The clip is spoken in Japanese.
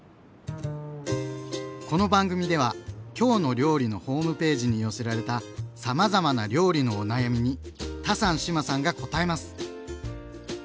この番組では「きょうの料理」のホームページに寄せられたさまざまな料理のお悩みにタサン志麻さんがこたえます！